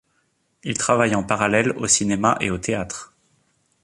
Il travaille en parallèle au cinéma et au théâtre.